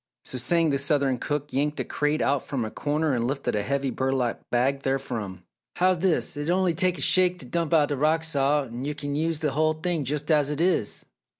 So saying, the southern cook yanked a crate out from a corner and lifted a heavy burlap bag therefrom. "How's dis? It'll onny take a shake t' dump out th' rock salt er kin yo' use the hull thing jus' as it is?"